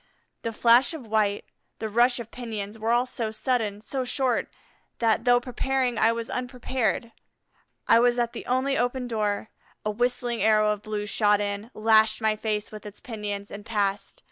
The flash of white, the rush of pinions, were all so sudden, so short, that, though preparing, I was unprepared. I was at the only open door. A whistling arrow of blue shot in, lashed my face with its pinions, and passed.